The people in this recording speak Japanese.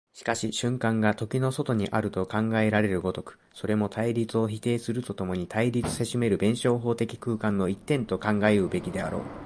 しかし瞬間が時の外にあると考えられる如く、それも対立を否定すると共に対立せしめる弁証法的空間の一点と考うべきであろう。